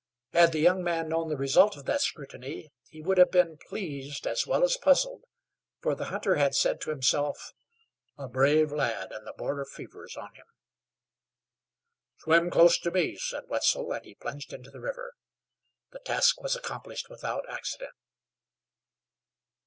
Had the young man known the result of that scrutiny, he would have been pleased as well as puzzled, for the hunter had said to himself: "A brave lad, an' the border fever's on him." "Swim close to me," said Wetzel, and he plunged into the river. The task was accomplished without accident.